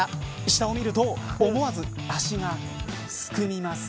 下を見ると思わず足がすくみます